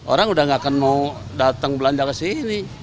orang sudah tidak akan mau datang belanja ke sini